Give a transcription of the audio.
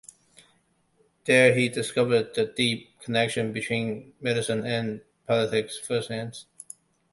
There he discovered the deep connection between medicine and politics firsthand.